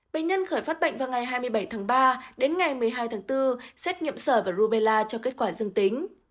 bệnh nhân khởi phát bệnh vào ngày hai mươi bảy tháng ba đến ngày một mươi hai tháng bốn xét nghiệm sởi và rubella cho kết quả dương tính